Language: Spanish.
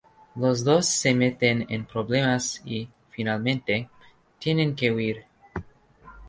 Los dos se meten en problemas y, finalmente, tienen que huir.